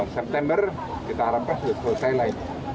september kita harapkan sudah selesai lagi